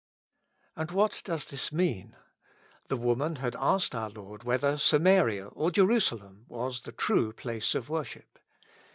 And what does this mean ? The woman had asked our Lord whether Samaria or Jerusalem was the true place of worship.